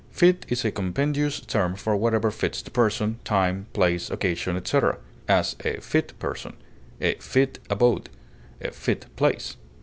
Fit is a compendious term for whatever fits the person, time, place, occasion, etc.; as, a fit person; a fit abode; a fit place.